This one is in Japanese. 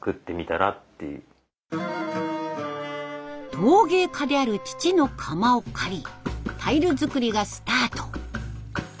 陶芸家である父の窯を借りタイル作りがスタート。